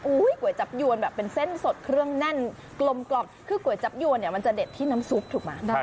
ก๋วยจับยวนแบบเป็นเส้นสดเครื่องแน่นกลมกล่อมคือก๋วยจับยวนเนี่ยมันจะเด็ดที่น้ำซุปถูกไหม